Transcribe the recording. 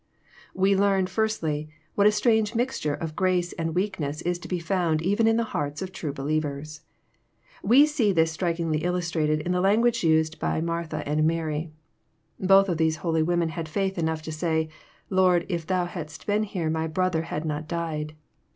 We learn, firstly, wJiat a strange mixture of grace and weakness is to he found even in the hearts of true believers. We see this strikingly illustrated in the language used by Martha and Mary. Both these holy women had faith enough to say, " Lord, if Thou hadst been here, m}' brother had not died."